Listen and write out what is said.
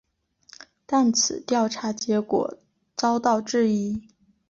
但此调查结果遭到质疑。